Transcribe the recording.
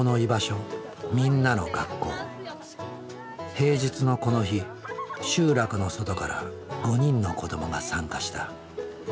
平日のこの日集落の外から５人の子どもが参加した。